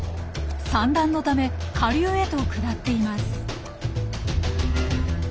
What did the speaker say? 産卵のため下流へと下っています。